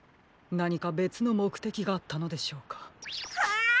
なにかべつのもくてきがあったのでしょうか？